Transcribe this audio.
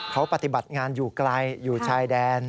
เขาปฏิบัติงานอยู่ไกลอยู่ชายแดน